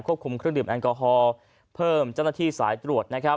ควบคุมเครื่องดื่มแอนเกาหอลเพิ่มจำนาธิสายตรวจ